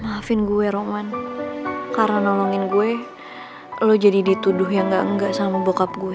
maafin gue roman karena nolongin gue lo jadi dituduh yang gak sama bockup gue